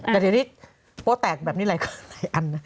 แต่ทีนี้โป๊แตกแบบนี้หลายอันนะ